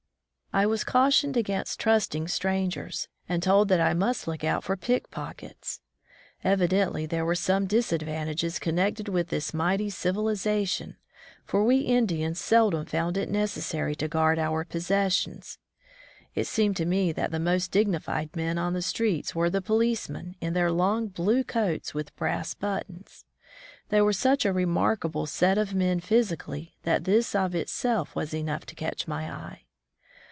I was cautioned against trusting strangers, and told that I must look out for pickpockets. Evidently there were some disadvantages connected with this mighty civilization, for we Indians seldom found it necessary to guard our possessions. It seemed to me that 62 College lAje in tiie East the most dignified men on the streets were the policemen, in their long blue coats with brass buttons. They were such a remark able set of men physically that this of itself was enough to catch my eye.